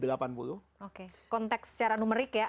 konteks secara numerik ya